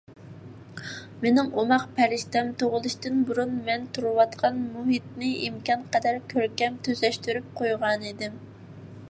مېنىڭ ئوماق پەرىشتەم تۇغۇلۇشتىن بۇرۇن، مەن تۇرۇۋاتقان مۇھىتنى ئىمكانقەدەر كۆركەم تۈزەشتۈرۈپ قويغانىدىم.